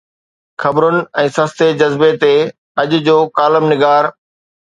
خبرن ۽ سستي جذبي تي اڄ جو ڪالم نگار